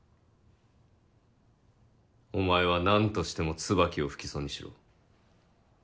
お前は何としても椿を不起訴にしろ。